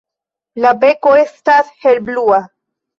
La beko estas helblua.